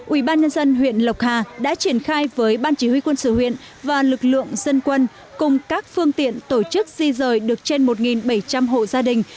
ubnd huyện lộc hà đã triển khai với ban chỉ huy quân sự huyện và lực lượng dân quân cùng các phương tiện tổ chức di rời được trên một bảy trăm linh hộ gia đình